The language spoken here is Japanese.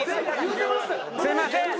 すいません。